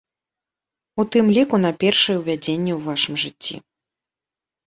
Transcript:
У тым ліку на першае ўвядзенне ў вашым жыцці.